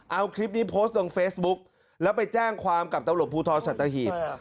เอาคลิปนี้โพสต์ลงเฟซบุ๊กแล้วไปแจ้งความกับตำรวจภูทรสัตหีบ